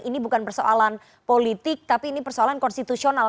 ini bukan persoalan politik tapi ini persoalan konstitusional